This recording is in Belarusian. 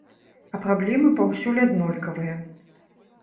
А праблемы паўсюль аднолькавыя.